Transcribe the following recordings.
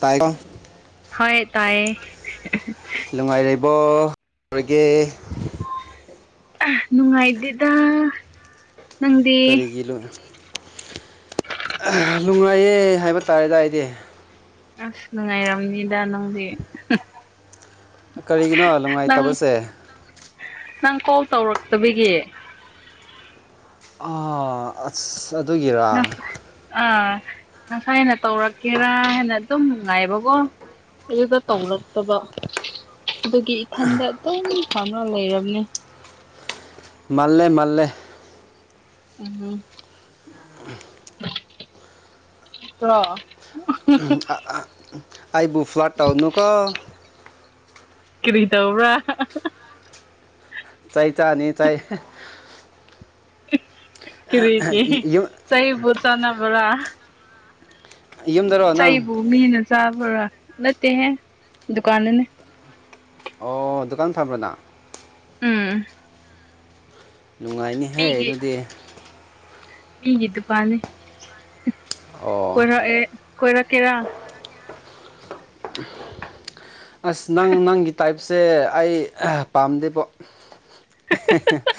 ꯇꯥꯏꯉ‌ꯣ ꯍꯣꯏ ꯇꯥꯏꯌꯦ [unintelligible] ꯅꯨꯡꯉꯥꯏꯔꯤ ꯕ‌ꯣ [inaudible] ꯔꯤꯒꯦ ꯑꯝ ꯅꯨꯡꯥꯏꯗ‌ꯦꯗ ꯀꯔꯤꯒꯤ ꯂꯣꯏ ꯑꯥ ꯅꯨꯡꯉꯥꯏꯌꯦ ꯍꯥꯏꯕ ꯇꯥꯔꯦꯗ ꯑꯩꯗꯤ ꯑꯁ ꯅꯨꯡꯉꯥꯏꯔꯝꯅꯤꯗ ꯅꯪꯗꯤ ꯀꯔꯤꯒꯤꯅꯣ ꯅꯪ ꯅꯨꯡꯉꯥꯏꯇꯕꯁꯦ ꯅꯪ ꯀꯣꯜ ꯇꯧꯔꯛꯇꯕꯒꯤ ꯑꯥ ꯑꯁ ꯑꯗꯨꯒꯤꯔꯥ ꯉꯁ ꯑꯥ ꯉꯁꯥꯏꯅ ꯇꯧꯔꯛꯀꯦꯔꯥ ꯍꯥꯏꯅ ꯑꯗꯨꯝ ꯉꯥꯏꯕꯀꯣ ꯑꯗꯨꯗ ꯇꯧꯔꯛꯇꯕ ꯑꯗꯨꯒꯤ ꯏꯊꯟꯗ ꯑꯗꯨꯝ ꯁꯥꯎꯔ ꯂꯩꯔꯝꯅꯦ ꯃꯥꯜꯂꯦ ꯃꯥꯜꯂꯦ ꯎꯝ ꯕꯔ‌ꯣ ꯎꯝ ꯑꯥ‌ ꯑꯥ ꯑꯥꯏꯕꯨ ꯐ꯭ꯂꯠ ꯇꯥꯎꯅꯨꯀꯣ ꯀꯔꯤ ꯇꯧꯕ꯭ꯔꯥ ꯆꯩꯥ ꯆꯥꯅꯤ ꯆꯩ ꯀꯔꯤꯒꯤ ꯌꯨꯝ ꯆꯩꯕꯨ ꯆꯥꯅꯕ꯭ꯔ ꯌꯨꯝꯗꯔꯣ ꯅꯪ ꯆꯩꯕꯨ ꯃꯤꯅ ꯆꯥꯕꯔꯥ ꯅꯠꯇꯦꯍꯦ ꯗꯨꯀꯥꯟꯗꯅꯦ ꯑꯣ ꯗꯨꯀꯥꯟ ꯐꯝꯕ꯭ꯔꯣ ꯅꯪ ꯎꯝ ꯅꯨꯡꯉꯥꯏꯅꯤꯍꯦ ꯃꯤꯒꯤ ꯑꯗꯨꯗꯤ ꯃꯤꯒꯤ ꯗꯨꯀꯥꯟꯅ‌ꯦ ꯑꯣ ꯀꯣꯏꯔꯛꯑꯦ ꯀꯣꯏꯔꯛꯀꯦꯔꯥ ꯑꯁ ꯅꯪ ꯅꯪꯒꯤ ꯇꯥꯏꯞ ꯁꯦ ꯑꯩ ꯄꯥꯝꯗꯦꯕꯣ [unintelligible]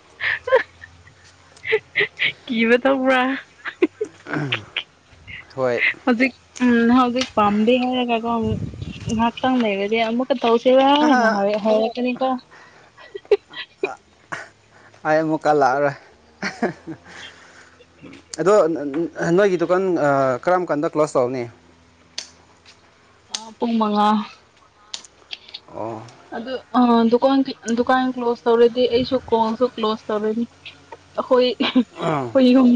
[unintelligible] [unintelligible] ꯀꯤꯕ ꯇꯧꯕ꯭ꯔꯥ [unintelligible] ꯍꯣꯏ ꯍꯧꯖꯤꯛ ꯎꯝ ꯍꯧꯖꯤꯛ ꯄꯥꯝꯗꯦ ꯍꯥꯏꯔꯒꯀꯣ ꯎꯝ ꯉꯥꯛꯇꯪ ꯂꯩꯔꯗꯤ ꯑꯃꯨꯛ [unintelligible] ꯇꯧꯁꯦꯕ ꯍꯥꯏꯅ ꯍꯥꯏ ꯍꯥꯏꯔꯛꯀꯅꯤꯀ‌ꯣ ꯑꯩ ꯃꯀ ꯂꯔ ꯑꯗꯣ ꯅꯣꯏꯒꯤ ꯗꯨꯀꯥꯟ ꯀꯔꯝ ꯀꯥꯟꯗ ꯀ꯭ꯂꯣꯁ ꯇꯧꯅꯤ [unintelligible] ꯑ ꯄꯨꯉꯃꯉ ꯑꯣ ꯑꯗꯨ ꯗꯨꯀꯥꯟ ꯗꯨꯀꯥꯟ ꯀ꯭ꯂꯣꯖ ꯇꯧꯔꯗꯤ ꯑꯩꯁꯨ ꯀꯣꯟꯁꯨ ꯀ꯭ꯂꯣꯖ ꯇꯧꯔꯗꯤ ꯑꯩꯈꯣꯏ ꯑꯣ ꯑꯩꯈꯣꯏ ꯌꯨꯝ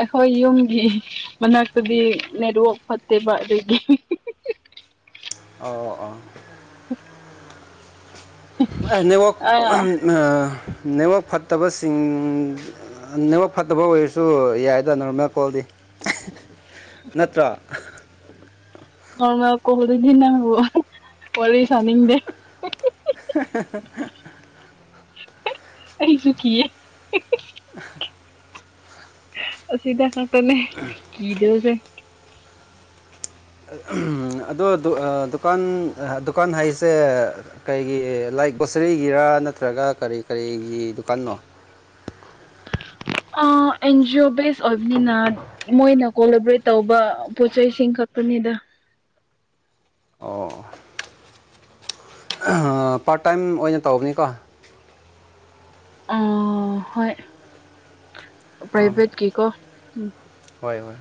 ꯑꯩꯈꯣꯏ ꯌꯨꯝꯒꯤ ꯃꯅꯥꯛꯇꯗꯤ ꯅꯦꯔ ꯐꯠꯇꯦ ꯃꯥꯔꯒꯤ ꯑ ꯍꯝ ꯅꯦꯠꯋꯥꯛ ꯅꯦꯠꯋꯥꯛ ꯐꯠꯇꯕꯁꯤꯡ ꯅꯦꯝꯃꯛ ꯐꯠꯇꯕ ꯑꯣꯏꯔꯁꯨ ꯌꯥꯏꯗ ꯅꯣꯔꯃꯦꯜ ꯀꯣꯜꯗꯤ ꯅꯠꯇ꯭ꯔꯥ ꯅꯣꯔꯃꯦꯜ ꯀꯣꯍꯗ ꯊ ꯅꯕ ꯋꯥꯔꯤ ꯁꯅꯤꯝ ꯗ [inaudible] ꯑ ꯁ ꯀꯦ ꯁꯤꯗꯥ ꯈꯇꯅꯦ ꯃꯤꯖꯧꯁꯦ ꯑꯗꯣ ꯗꯨꯀꯥꯟ ꯗꯨꯀꯥꯟ ꯍꯥꯏꯁꯦ ꯀꯩꯒꯤ ꯂꯥꯏꯛ ꯒꯣꯁꯔꯤꯒꯤꯔꯥ ꯅꯠꯇ꯭ꯔꯒ ꯀꯔꯤ ꯀꯔꯤꯒꯤ ꯗꯨꯀꯥꯟꯅꯣ ꯑꯦꯟꯖꯤ ꯑꯣ ꯕꯦꯁ ꯑꯣꯏꯕꯅꯤꯅ ꯃꯣꯏꯅ ꯀꯣꯂꯦꯕ꯭ꯔꯦꯠ ꯇꯧꯕ ꯄꯣꯠ ꯆꯩꯁꯤꯡ ꯈ ꯄꯨꯅꯤꯗ ꯑꯣ ꯄꯥꯔꯠ ꯇꯥꯏꯝ ꯑꯣꯏꯅ ꯇꯧꯕꯅꯤꯀꯣ ꯑ ꯍꯣꯏ ꯑꯣ ꯄ꯭ꯔꯥꯏꯚꯦꯠꯀꯤꯀꯣ ꯎ ꯍꯣꯏ ꯍꯣꯏꯣꯏ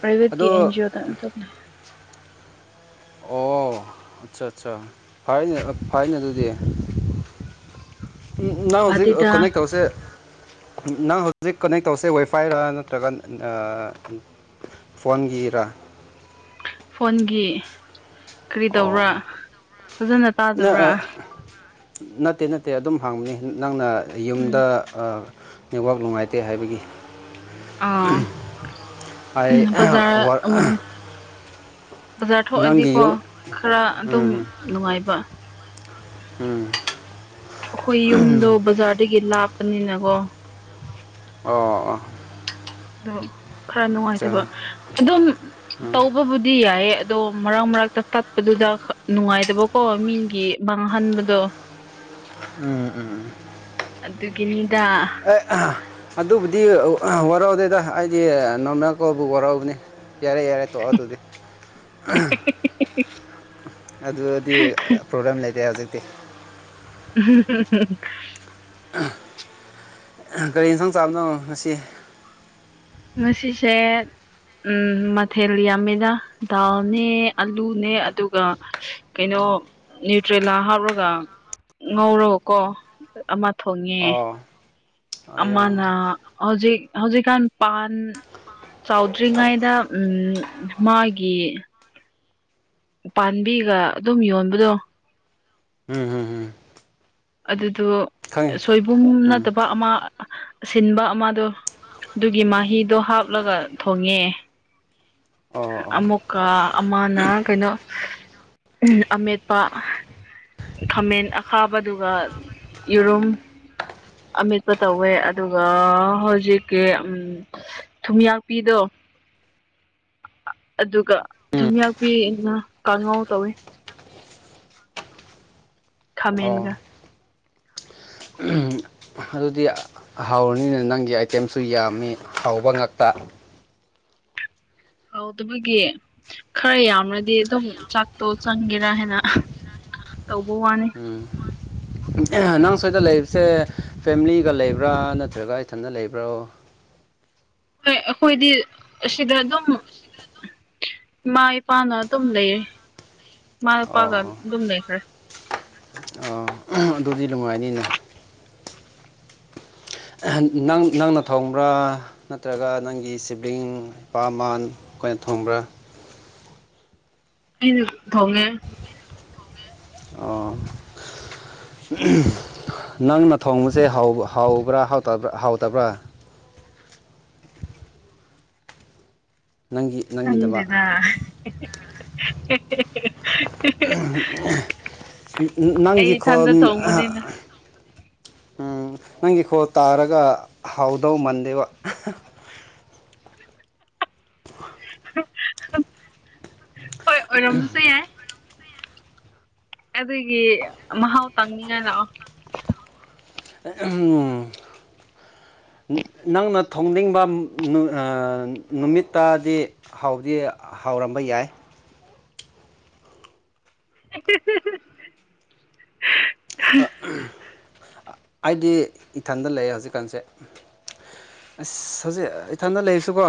ꯄ꯭ꯔꯥꯏꯚꯦꯠꯀꯤ ꯑꯦꯟꯖꯤ ꯑꯣꯗ ꯇꯅꯦ ꯑꯣ ꯑꯠꯆꯥ ꯑꯠꯆꯥ ꯐꯅꯦ ꯐꯥꯏꯅꯦ ꯑꯗꯨꯗꯤ ꯎꯝ ꯅꯪ ꯍꯧꯖꯤꯛ ꯐꯗꯤꯗ ꯀꯅꯦꯛ ꯇꯧꯁꯦ ꯅꯪ ꯍꯧꯖꯤꯛ ꯀꯅꯦꯛ ꯇꯧꯁꯦ ꯋꯥꯏꯐꯥꯏꯔ ꯅꯠꯇ꯭ꯔꯒ ꯐꯣꯟꯒꯤ ꯏꯔꯥ ꯐꯣꯟꯒꯤ ꯀꯔꯤ ꯑꯣ ꯇꯧꯕ꯭ꯔꯥ ꯐꯖꯅ ꯅ ꯑ, ꯇꯥꯗꯕ꯭ꯔꯥ ꯅꯠꯇꯦ ꯅꯠꯇꯦ ꯑꯗꯨꯝ ꯍꯥꯡꯕꯅꯤ ꯅꯪꯅ ꯌꯨꯝꯗ ꯎꯝ ꯅꯦꯠꯋꯥꯛ ꯅꯨꯡꯉꯥꯏꯇꯦ ꯍꯥꯏꯕꯒꯤ ꯑꯥ ꯑꯩ ꯕꯖꯥꯔ ꯕꯖꯥꯔ ꯅꯪꯒꯤ ꯊꯣꯛꯑꯗꯤꯀꯣ ꯌꯨꯝ ꯈꯔ ꯑꯗꯨꯝ ꯎꯝ ꯅꯨꯡꯉꯥꯏꯕ ꯎꯝ ꯑꯩꯈꯣꯏ ꯌꯨꯝꯗꯣ ꯕꯖꯥꯔꯗꯒꯤ ꯂꯥꯞꯄꯅꯤꯅꯀꯣ ꯑꯣ ꯑꯣ ꯑꯗꯣ ꯈꯔ ꯑꯠꯆꯥ ꯅꯨꯡꯉꯥꯏꯇꯕ ꯑꯗꯨꯝ ꯇꯧꯕꯕꯨꯗꯤ ꯌꯥꯏꯌꯦ ꯑꯗꯣ ꯃꯔꯛ ꯃꯔꯛꯇ ꯇꯠꯄꯗꯨꯗ ꯅꯨꯡꯉꯥꯏꯇꯕꯀꯣ ꯀꯣ ꯃꯤꯒꯤ ꯃꯥꯡꯍꯟꯕꯗꯣ ꯎꯝ ꯎꯝ ꯑꯗꯨ ꯀ ꯑꯦ ꯑꯗꯨꯕꯨꯗꯤ ꯋꯥꯔꯥꯎꯗꯦꯗ ꯑꯩꯗꯤ ꯅꯣꯔꯃꯦ ꯀꯧꯕꯕꯨ ꯋꯥꯔꯥꯎꯅꯤ ꯌꯥꯔꯦ ꯌꯥꯔꯦ ꯇ ꯑ ꯇꯨꯗꯤ ꯑꯗꯨꯗꯤ ꯄ꯭ꯔꯣꯕ꯭ꯂꯦꯝ ꯂꯩꯇꯦ ꯍꯧꯖꯤꯛꯇꯤ ꯎꯝ ꯀꯒꯥꯔꯤ ꯏꯟꯁꯥꯡ ꯆꯥꯕꯅꯣꯅꯣ ꯉꯁꯤ ꯉꯁꯤꯁꯦ ꯎꯝ ꯃꯊꯦꯜ ꯌꯥꯝꯃꯤꯅ ꯗꯥꯜꯅꯦ ꯑꯂꯨꯅꯦ ꯑꯗꯨꯒ ꯀꯩꯅꯣ ꯅ꯭ꫯꯌꯨꯇ꯭ꯔꯦꯂꯥ ꯍꯥꯞꯔꯒ ꯉꯧꯔꯒꯀꯣ ꯑꯃ ꯊꯣꯡꯉꯦ ꯑꯣ ꯑꯌꯥ ꯑꯃꯥꯅ ꯍꯧꯖꯤꯛ ꯍꯧꯖꯤꯛꯀꯥꯟ ꯄꯥꯟ ꯆꯥꯎꯗ꯭ꯔꯤ ꯉꯩꯗ ꯎꯝ ꯃꯥꯒꯤ ꯎꯄꯥꯟꯕꯤꯒ ꯑꯗꯨꯝ ꯌꯣꯟꯕꯗꯣ ꯎꯝ ꯎꯝ ꯎꯝ ꯑꯗꯨꯗꯣ ꯈꯪꯉꯦ ꯁꯣꯏꯕꯨꯝ ꯎꯝ ꯅꯠꯇꯕ ꯑꯃ ꯁꯤꯟꯕ ꯑꯃꯗꯣ ꯑꯗꯨꯒꯤ ꯃꯍꯤꯗꯣ ꯍꯥꯞꯂꯒ ꯊꯣꯡꯉꯦ ꯑꯣ ꯑꯣ ꯑꯃꯨꯛꯀ ꯑꯃꯅ ꯀꯩꯅꯣ ꯑꯃꯦꯠꯄ ꯈꯥꯃꯦꯟ ꯑꯈꯥꯕ ꯑꯗꯨꯒ ꯌꯦꯔꯨꯝ ꯑꯗꯨ ꯑꯃꯤꯠꯄ ꯇꯧꯋꯦ ꯑꯗꯨꯒ ꯍꯧꯖꯤꯛꯀꯤ ꯊꯨꯝꯌꯥꯛꯄꯤꯗꯣ [inaudible] ꯑꯗꯨꯒ ꯊꯨꯝ ꯌꯥꯛꯄꯤꯅ ꯉꯥ ꯀꯥꯡꯉꯥꯎ ꯇꯧꯋꯤ ꯈꯥꯃꯦꯟꯒ ꯑꯣ ꯑꯗꯨꯗꯤ ꯍꯥꯎꯔꯅꯤꯅ‌ꯦ ꯅꯪꯒꯤ ꯑꯥꯏꯇꯦꯝꯁꯨ ꯌꯥꯝꯃꯤ ꯍꯥꯎꯕ ꯉꯥꯛꯇ ꯍꯥꯎꯇꯕꯒꯤ ꯈꯔ ꯌꯥꯝꯅꯗꯤ ꯑꯗꯨꯝ ꯆꯥꯛꯇꯣ ꯆꯅꯤꯡꯒꯦꯔꯥ ꯍ‌ꯦꯟꯅ ꯇꯧꯕ ꯋꯥꯅꯤ ꯑꯦ ꯅꯪ ꯁ꯭ꯋꯥꯏꯗ ꯂꯩꯕꯁꯦ ꯐꯦꯃꯤꯂꯤꯒ ꯂꯩꯕ꯭ꯔꯥ ꯅꯠꯇ꯭ꯔꯒ ꯏꯊꯟꯇ ꯂꯩꯕ꯭ꯔꯣ ꯍꯣꯏ ꯑꯩꯈꯣꯏꯗꯤ ꯑꯁꯤꯗ ꯑꯗꯨꯝ ꯏꯃꯥ ꯏꯄꯥꯅ ꯑꯗꯨꯝ ꯂꯩꯌꯦ ꯃꯥꯥꯏꯄꯥꯒ ꯑꯣ ꯑꯗꯨꯝ ꯅꯈꯔꯦ ꯑꯣ ꯑꯗꯨꯗꯤ ꯅꯨꯡꯉꯥꯏꯅꯤꯅ ꯅꯪ ꯅꯪꯅ ꯊꯣꯡꯕ꯭ꯔꯥ ꯅꯠꯇ꯭ꯔꯒ ꯅꯪꯒꯤ ꯁꯤꯕ꯭ꯂꯤꯡ ꯏꯄꯥ ꯃꯃꯥꯟ ꯑꯩꯈꯣꯏꯅ ꯊꯣꯡꯕ꯭ꯔꯥ ꯑꯩꯅ ꯊꫭꯡꯉꯦ ꯑꯣ ꯅꯪꯅ ꯊꯣꯡꯕꯁꯦ ꯍꯥꯎꯕ ꯍꯥꯎꯕ꯭ꯔꯥ ꯍꯥꯎꯇꯕ꯭ꯔꯥ ꯅꯪꯒꯤ ꯅꯪꯒꯤꯗꯃꯛ ꯈꯪꯗ‌ꯦꯗꯥ ꯑꯩ ꯅꯪꯒꯤ ꯏꯊꯟꯗ ꯈꯣꯟ ꯊꯣꯡꯕꯅꯤꯅꯥ ꯎꯝ ꯅꯪꯒꯤ ꯈꯣꯜ ꯇꯥꯔꯒ ꯍꯥꯎꯗꯧ ꯃꯟꯗꯦꯕ ꯍꯣꯏ ꯑꯣꯏꯔꯝꯕꯁꯨ ꯌꯥꯏ ꯑꯗꯨꯒꯤ ꯃꯍꯥꯎ ꯇꯪꯅꯤꯡꯉꯥꯏ ꯂꯛꯑꯣ ꯅꯪꯅ ꯊꯣꯡꯅꯤꯡꯕ ꯑꯥ ꯅꯨꯃꯤꯠꯇꯗꯤ ꯍꯥꯎꯗꯤ ꯍꯥꯎꯔꯝ ꫪꯝꯕ ꯌꯥꯏ [unintelligible] ꯑꯩꯗꯤ ꯏꯊꯟꯗ ꯂꯩꯌ‌ꯦ ꯍꯧꯖꯤꯛꯀꯥꯟꯁꯦ ꯑꯁ ꯍꯧꯖꯤꯛ ꯏꯊꯟꯗ ꯂꯩꯔꯁꯨꯀꯣ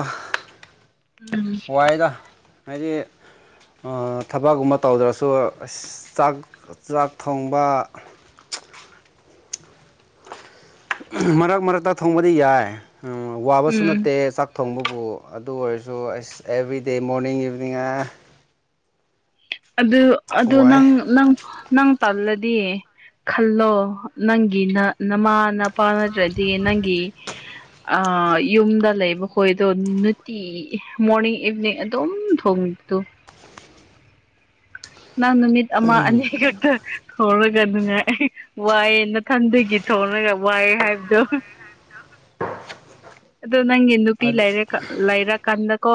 ꯎꯝ ꯋꯥꯏꯗ ꯍꯥꯏꯗꯤ ꯑꯥ‌ ꯊꯕꯛꯀꯨꯝꯕ ꯇꯧꯗ꯭ꯔꯁꯨ ꯑꯁ ꯆꯥꯛ ꯆꯥꯛ ꯊꯣꯡꯕ [unintelligible] ꯃꯔꯛ ꯃꯔꯛꯇ ꯊꯣꯡꯕꯗꯤ ꯌꯥꯏ ꯋꯥꯕꯁꯨ ꯎꯝ ꯅꯠꯇꯦ ꯆꯥꯛ ꯊꯣꯡꯕꯕꯨ ꯑꯗꯨ ꯑꯣꯏꯔꯁꯨ ꯑꯁ ꯑꯦꯕ꯭ꯔꯤꯗꯦ ꯃꯣꯔꯅꯤꯡ ꯏꯚꯤꯅꯤꯡ ꯍꯥꯏꯔꯥ ꯑꯗꯨ ꯑꯗꯨ ꯅꯪ ꯅꯪ ꯅꯪ ꯇꯜꯂꯗꯤ ꯈꯜꯂꯣ ꯅꯪꯒꯤ ꯅꯃꯥ ꯅꯄꯥ ꯅꯠꯇ꯭ꯔꯗꯤ ꯅꯪꯒꯤ ꯑꯥ ꯑꯥ ꯌꯨꯝꯗ ꯂꯩꯕ ꯈꯣꯏꯗꯣ ꯅꯨꯡꯇꯤꯒꯤ ꯃꯣꯔꯅꯤꯡ ꯏꯚꯤꯅꯤꯡ ꯑꯗꯨꯝ ꯊꯣꯡꯇꫭꯛꯑꫭ [unintelligible] ꯅꯪ ꯅꯨꯃꯤꯠ ꯑꯃ ꯑꯅꯤ ꯈꯛꯇ ꯊꯣꯡꯉꯥꯒ ꯅꯨꯡꯉꯥꯏ ꯋꯥꯏꯑꯦꯅ ꯈꯟꯕꯒꯤ ꯊꯣꯡꯔꯒ ꯋꯥꯏꯑꯦ ꯍꯥꯏꯕꯗꯣ ꯍꯥꯏꯗꯣ [unintelligible] ꯑꯗꯣ ꯅꯪꯒꯤ ꯅꯨꯄꯤ ꯂꯥꯏꯔꯛꯀ ꯂꯥꯏꯔꯛ ꯀꯥꯟꯗꯀꯣ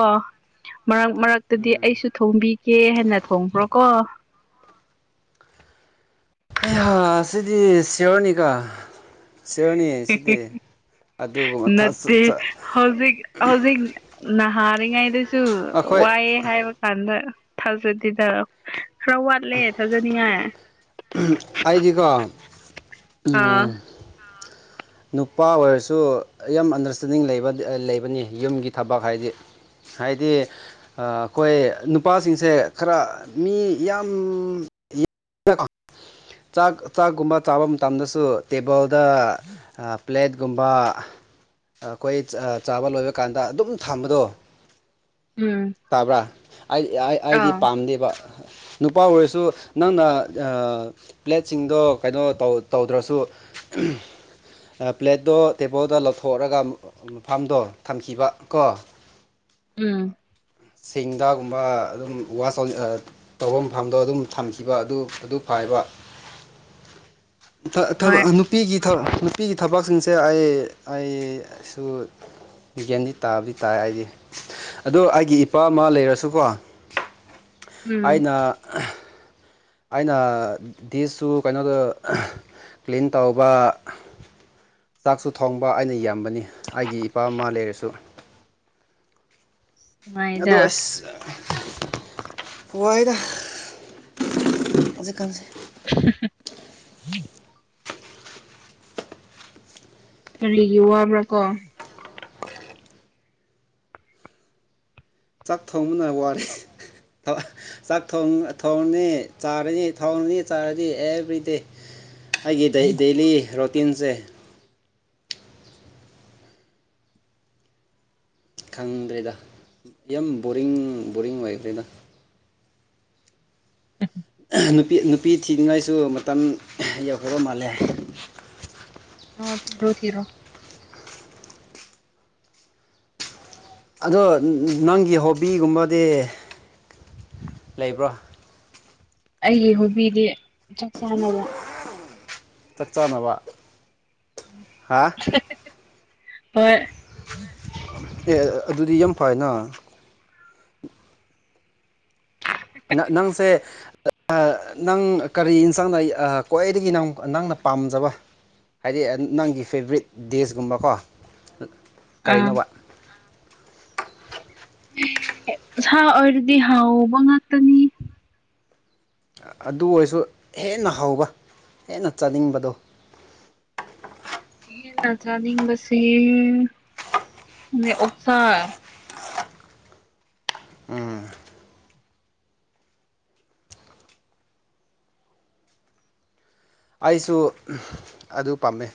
ꯃꯔꯛ ꯃꯔꯛꯇꯗꯤ ꯎꯝ ꯑꯩꯁꯨ ꯊꯣꯡꯕꯤꯒꯦ ꯍꯥꯏꯅ ꯊꯣꯡꯕ꯭ꯔꯣꯀꯣ [unintelligible] ꯑꯥ ꯁꯤꯗꯤ ꯁꯤꯔꯣꯅꯤꯀꫭ ꯑꯗꯨꯒꯨꯝꯕ ꯅꯠꯇꯦ ꯍꯧꯖꯤꯛ ꯍꯧꯖꯤꯛ ꯅꯍꯥꯔꯤꯉꯩꯗꯁꯨ ꯑꯩꯈꯣꯏ ꯋꯥꯏꯑꯦ ꯍꯥꯏꯕ ꯀꯥꯟꯗ ꯊꯥꯖꯗꯗ ꯈꯔ ꯋꯥꯠꯂꯦ ꯊꯥꯖꯅꯤꯡꯉꯥꯏ ꯑꯩꯗꯤꯀꯥ ꯑꯥ ꯅꯨꯄꯥ ꯑꯣꯏꯔꯁꯨ ꯌꯥꯝ ꯑꯟꯗꯔꯁꯇꯦꯟꯗꯤꯡ ꯂꯩ ꯂꯩꯕꯅꯤ ꯌꯨꯝꯒꯤ ꯊꯕꯛ ꯍꯥꯏꯗꯤ ꯍꯥꯏꯗꯤ ꯑꯩꯈꯣꯏ ꯅꯨꯄꯥꯁꯤꯡꯁꯦ ꯈꯔ ꯃꯤ ꯌꯥꯝ ꯀ ꯆꯥꯛ ꯆꯥꯛꯀꯨꯝꯕ ꯆꯥꯕ ꯃꯇꯝꯗꯁꯨ ꯇꯦꯕꯜꯗ ꯄ꯭ꯂꯦꯠꯀꯨꯝꯕ ꯑꯩꯈꯣꯏ ꯆꯥꯕ ꯂꯣꯏꯕ ꯀꯥꯟꯗ ꯑꯗꯨꯝ ꯊꯝꯕꯗꯣ ꯎꯝ ꯇꯥꯕ꯭ꯔꯥ ꯑꯩꯗꯤ ꯑꯥ ꯄꯥꯝꯗꯦꯕ ꯅꯨꯄꯥ ꯑꯣꯏꯔꯁꯨ ꯅꯪꯅ ꯄ꯭ꯂꯦꯠꯁꯤꯡꯗꯣ ꯀꯩꯅꯣ ꯇꯧꯗ꯭ꯔꯁꯨ ꯎꯝ ꯄ꯭ꯂꯦꯠꯇꯣ ꯇꯦꯕꯜꯗꯣ ꯂꯧꯊꯣꯛꯑꯒ ꯃꯐꯝꯐꯝꯗꯣ ꯊꯝꯈꯤꯕ ꯀꯣ ꯎꯝ ꯁꯤꯡꯗꯒꯨꯝꯕ ꯑꯗꯨꯝ ꯋꯥꯁ ꯇꯧ ꯇꯧꯕ ꯃꯐꯝꯗꯣ ꯑꯗꯨꯝ ꯊꯝꯈꯤꯕ ꯑꯗꯨ ꯑꯗꯨ ꯐ ꯍꯣꯏ ꯅꯨꯄꯤꯒꯤ ꯅꯨꯄꯤꯒꯤ ꯊꯕꯛꯁꯤꯡꯁꯦ ꯑꯩ ꯑꯩꯁꯨ ꯕꯤꯒꯦꯟꯗꯤ ꯇꯥꯕꯗꯤ ꯇꯥꯏ ꯑꯩꯗꯤ ꯑꯗꯣ ꯑꯩꯒꯤ ꯏꯄꯥ ꯏꯃꯥ ꯂꯩꯔꯁꯨꯀꯣ ꯎꯝ ꯑꯩꯅ ꯑꯩꯅ ꯦꯁꯁꯨ ꯀꯩꯅꯣꯗ ꯀ꯭ꯂꯤꯟ ꯇꯧꯕ ꯆꯥꯛꯁꯨ ꯊꯣꯡꯕ ꯑꯩꯅ ꯌꯥꯝꯕꯅꯤ ꯑꯩꯒꯤ ꯏꯄꯥꯃ ꯂꯩꯔꯁꯨ ꯑꯗꯣ ꯅꯨꯡꯉꯥꯏꯗ ꯑꯁ ꯍꯏꯗ ꯍꯧꯖꯤꯛ ꯈꯪꯁꯦ [inaudible] ꯎꯝ ꯀꯔꯤꯒꯤ ꯋꯥꯕ꯭ꯔꯥ ꯀꯣ ꯆꯥꯛ ꯊꯣꯡꯕꯅ ꯋꯥꯔꯤ ꯆꯥꯛ ꯊꯣꯡꯅꯤ ꯆꯥꯔꯅꯤ ꯊꯣꯡꯅꯤ ꯆꯥꯔꯅꯤ ꯑꯦꯕ꯭ꯔꯤꯗꯦ ꯑꯩꯒꯤ ꯗꯦꯂꯤ ꯔꯣꯇꯤꯟꯁꯦ ꯈꯪꯗ꯭ꯔꯦꯗ ꯌꯥꯝ ꯕꯣꯔꯤꯡ ꯕꯣꯔꯤꯡ ꯑꯣꯏꯈ꯭ꯔꯦꯗ ꯅꯨꯄꯤ ꯅꯨꯄꯤ ꯊꯤꯅꯤꯡꯉꯥꯏꯁꯨ ꯃꯇꯝ ꯌꯧꯍꯧꯕ ꯃꯥꯜꯂꯦ ꯑꯥ ꯊꯤꯔꯣ ꯊꯤꯔꯣ ꯑꯗꯣ ꯅꯪꯒꯤ ꯍꯣꯕꯤꯒꯨꯝꯕꯗꯤ ꯂꯩꯕ꯭ꯔꯣ ꯑꯩꯒꯤ ꯍꯨꯕꯤꯗꯤ ꯆꯠꯆꯥꯥ ꯅꯕ ꯍꯣꯏ ꯑꯦ ꯑꯗꯨꯗꯤ ꯌꯥꯝ ꯐꯥꯏꯅ ꯅꯪꯁꯦ ꯅꯪ ꯀꯔꯤ ꯏꯟꯁꯥꯡꯅ ꯈ꯭ꯋꯥꯏꯗꯒꯤ ꯅꯪ ꯅꯪꯅ ꯄꯥꯝꯖꯕ ꯍꯥꯏꯗꯤ ꯅꯪꯒꯤ ꯐꯦꯕꯣꯔꯔꯤꯠ ꯗꯦꯁꯀꯨꯝꯕꯀꯣ ꯑꯥ ꯀꯔꯤꯅꯣꯕ ꯑꯦ ꯁꯥ ꯑꯣꯏꯔꯗꯤ ꯍꯥꯎꯕ ꯉꯥꯛꯇꯅꯤ ꯑꯗꯨ ꯑꯣꯏꯔꯁꯨ ꯍꯦꯟꯅ ꯍꯧꯕ ꯍꯦꯟꯅ ꯆꯥꯅꯤꯡꯕꯗꯣ [inaudible] ꯍꯦꯟꯅ ꯆꯥꯅꯤꯡꯕꯕꯁꯤ ꯑ ꯑꯣꯛꯁꯥ ꯎꯝ ꯑꯩꯁꯨ ꯑꯗꯨ ꯄꯥꯝꯃꯦ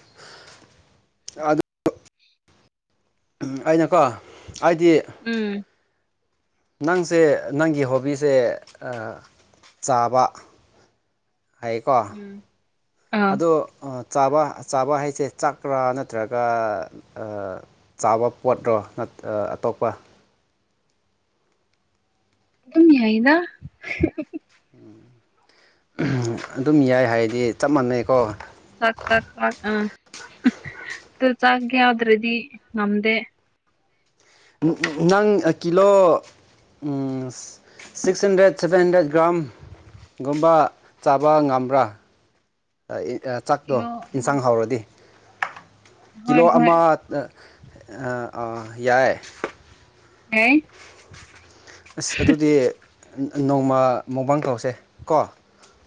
ꯑꯗꯨ ꯑꯩꯅꯀꯣ ꯑꯩꯗꯤ ꯎꯝ ꯅꯪꯁꯦ ꯅꯪꯒꯤ ꯍꯣꯕꯤꯁꯦ ꯆꯥꯕ ꯍꯥꯏꯌꯦꯀꯣ ꯎꯝ ꯑꯥ ꯑꯗꯣ ꯆꯥꯕ ꯆꯥꯕ ꯍꯥꯏꯁꯦ ꯆꯥꯛꯀꯔꯥ ꯅꯠꯇ꯭ꯔꯒ ꯆꯥꯕ ꯄꯣꯠꯔꯣ ꯑꯇꯣꯞꯄ ꯑꯗꯨꯝ ꯌꯥꯏꯗ ꯎꯝ ꯑꯗꯨꯝ ꯌꯥꯏ ꯍꯥꯏꯗꯤ ꯆꯞ ꯃꯥꯟꯅꯩꯀꯣ ꯇꯨ ꯆꯥꯛ ꯌꯥꯎꯗ꯭ꯔꯗꯤ ꯅꯝꯗꯦ ꯅꯪ kilo six hundred seven hundred gram ꯒꯨꯝꯕ ꯆꯥꯕ ꯉꯝꯕ꯭ꯔꯥ ꯆꯥꯛꯇꯣ ꯀꯤꯂꯣ ꯏꯟꯁꯥꯡ ꯍꯥꯎꯔꯗꯤ ꯍꯣꯏ ꯀꯤꯂꯣ ꯍꯣꯏ ꯑꯃ ꯌꯥꯏ ꯍ ꯑꯁ ꯑꯗꯨꯗꯤ ꯅꯣꯡꯃ ꯃꯣꯡꯕꯥꯡ ꯇꯧꯁꯦ ꯀꯣ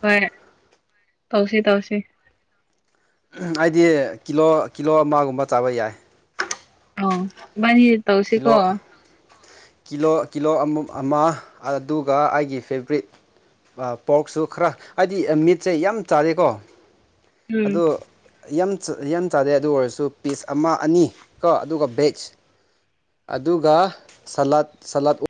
ꯍꯣꯏ ꯇꯧꯁꯤ ꯇꯧꯁꯤ ꯑꯩꯗꯤ ꯀꯤꯂꯣ ꯀꯤꯂꯣ ꯑꯃꯒꯨꯝꯕ ꯆꯥꯕ ꯌꯥꯏ ꯑ ꯏꯕꯥꯅꯤ ꯇꯧꯁꯤꯀꯣ ꯀꯤꯂꯣ ꯀꯤꯂꯣ ꯀꯤꯂꯣ ꯑꯃ ꯑꯃ ꯑꯗꯨꯒ ꯑꯩꯒꯤ ꯐꯦꯕ꯭ꯔꯤꯠ ꯄꯣꯔꯛꯁꯨ ꯈꯔ ꯍꯥꯏꯗꯤ ꯃꯤꯠꯁꯦ ꯌꯥꯝ ꯆꯥꯗꯦꯀꯣ ꯎꯝ ꯑꯗꯨ ꯌꯥꯝ ꯌꯥꯝ ꯆꯥꯗꯩ ꯑꯗꯨ ꯑꯣꯏꯔꯁꯨ ꯄꯤꯁ ꯑꯃ ꯑꯅꯤ ꯀꯣ ꯑꯗꯨꯒ ꯕꯦꯖ ꯑꯗꯨꯒ ꯁꯂꯥꯠ ꯁꯂꯥꯠ